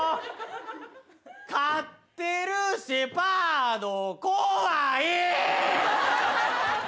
飼ってるシェパード怖い！